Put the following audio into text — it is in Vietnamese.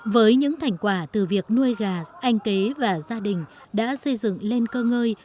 với những thành quả từ việc nuôi gà anh kế và gia đình đã xây dựng lên cơ ngơi